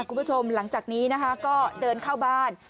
คุณผู้ชมหลังจากนี้นะคะก็เดินเข้าบ้าน